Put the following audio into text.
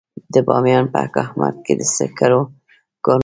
د بامیان په کهمرد کې د سکرو کانونه دي.